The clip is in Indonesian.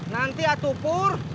nanti ya tupur